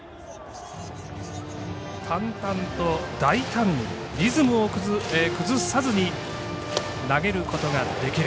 淡々と、大胆にリズムを崩さずに投げることができる